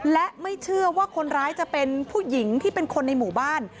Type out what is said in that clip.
และไม่เชื่อว่าคนร้ายจะเป็นผู้หญิงที่เป็นคนในหมู่บ้าน